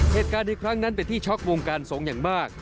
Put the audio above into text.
เหตุการณ์ในครั้งนั้นเป็นที่ช็อกวงการสงฆ์อย่างมาก